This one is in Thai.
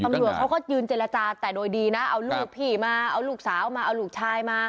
ตำรวจเขาก็ยืนเจรจาแต่โดยดีนะเอาลูกพี่มาเอาลูกสาวมาเอาลูกชายมา